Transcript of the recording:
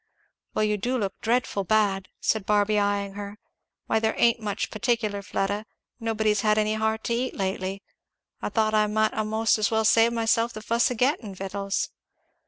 "Well you do look dreadful bad," said Barby eying her. "Why there ain't much particular, Fleda; nobody's had any heart to eat lately; I thought I might a'most as well save myself the fuss of getting victuals.